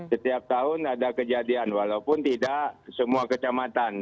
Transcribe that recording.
setiap tahun ada kejadian walaupun tidak semua kecamatan